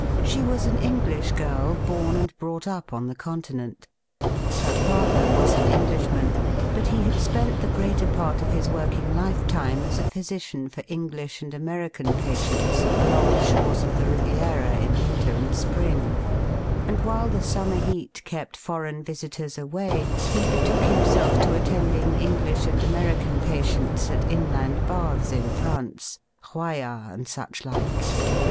She was an English girl bom and brought up on the Continent. Her father was an Englishman, but he had spent the greater part of his working lifetime as a physician for English and American patients along the shores of the Riviera in winter and spring, and while the summer heat kept foreign visitors away he betook himself to attending English and American patients at inland baths in France — Roy at and such like.